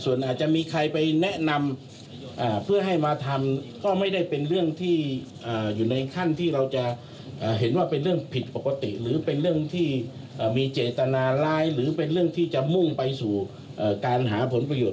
ส่วนอาจจะมีใครไปแนะนำเพื่อให้มาทำก็ไม่ได้เป็นเรื่องที่อยู่ในขั้นที่เราจะเห็นว่าเป็นเรื่องผิดปกติหรือเป็นเรื่องที่มีเจตนาร้ายหรือเป็นเรื่องที่จะมุ่งไปสู่การหาผลประโยชน